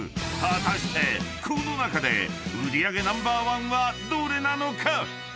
［果たしてこの中で売り上げナンバーワンはどれなのか？］